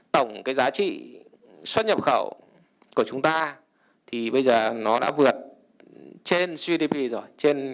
tổng cái giá trị xuất nhập khẩu của chúng ta thì bây giờ nó đã vượt trên gdp rồi